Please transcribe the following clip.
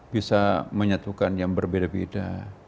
bisa menyatukan yang berbeda beda